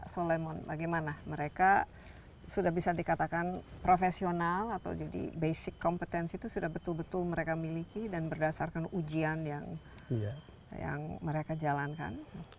solemon bagaimana mereka sudah bisa dikatakan profesional atau jadi basic competence itu sudah betul betul mereka miliki dan berdasarkan ujian yang mereka jalankan